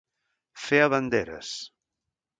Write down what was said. Fer a banderes.